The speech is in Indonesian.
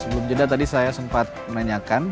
sebelum jeda tadi saya sempat menanyakan